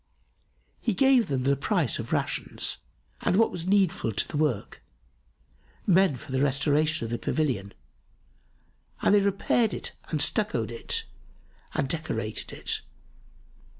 He gave them the price of rations[FN#279] and what was needful to the work men for the restoration of the pavilion, and they repaired it and stucco'd it and decorated it.